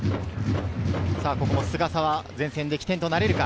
ここも菅澤、前線で起点となれるか？